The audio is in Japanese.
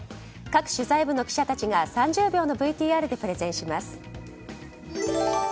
各取材部の記者たちが３０秒のＶＴＲでプレゼンします。